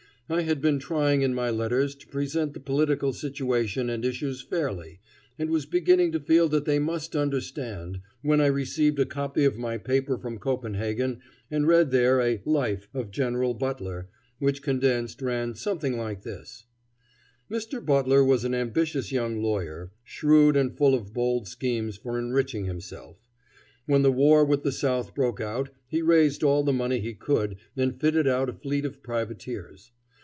I had been trying in my letters to present the political situation and issues fairly, and was beginning to feel that they must understand, when I received a copy of my paper from Copenhagen and read there a "life" of General Butler, which condensed, ran something like this: "Mr. Butler was an ambitious young lawyer, shrewd and full of bold schemes for enriching himself. When the war with the South broke out, he raised all the money he could and fitted out a fleet of privateers.